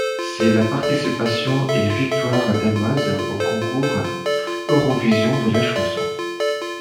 C'est la participation et victoire danoise au Concours Eurovision de la chanson.